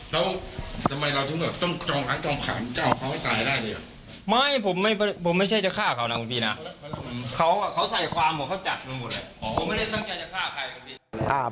แล้วถึงต้องต่องหารกองผ่านเจ้าของขายได้หรือ